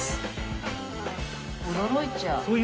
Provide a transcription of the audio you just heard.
驚いちゃう。